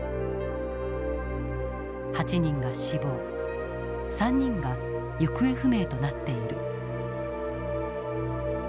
８人が死亡３人が行方不明となっている。